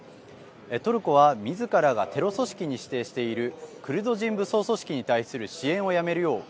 トルコは、みずからがテロ組織に指定しているクルド人武装組織に対する支援をやめるよう